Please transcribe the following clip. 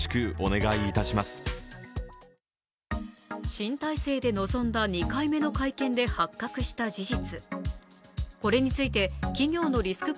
新体制で臨んだ２回目の会見で発覚した事実。